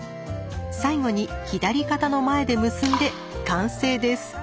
最後に左肩の前で結んで完成です。